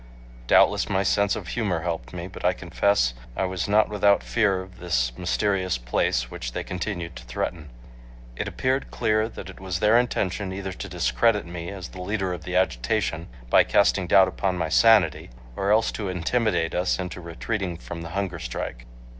Doubtless my sense of humor helped me, but I confess A was not without fear of this mysterious place which they continued to threaten. It appeared clear that it was their intention either to discredit me, as the leader of the agitation, by casting doubt upon my sanity, or else to intimidate us into retreating from the hunger strike.